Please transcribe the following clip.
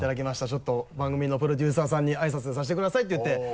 「ちょっと番組のプロデューサーさんにあいさつさせてください」って言って。